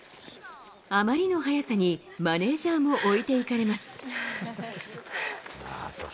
あまりの速さに、マネージャーも置いていかれます。